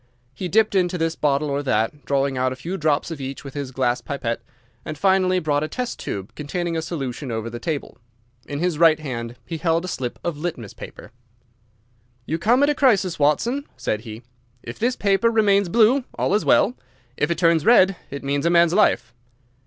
He dipped into this bottle or that, drawing out a few drops of each with his glass pipette, and finally brought a test tube containing a solution over to the table. In his right hand he held a slip of litmus paper. "You come at a crisis, Watson," said he. "If this paper remains blue, all is well. If it turns red, it means a man's life."